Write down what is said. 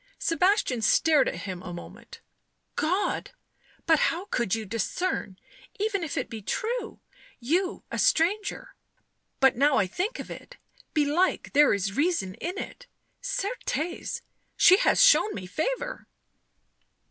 Sebastian stared at him a moment. " God ! But how could you discern — even if it be true? — you, a stranger. But now I think of it, belike there is reason in it — certes, she has shown me favour."